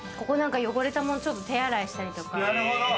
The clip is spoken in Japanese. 汚れたものを手洗いしたりとか。